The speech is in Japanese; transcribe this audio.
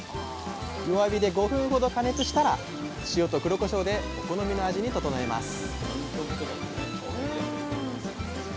弱火で５分ほど加熱したら塩と黒こしょうでお好みの味に調えます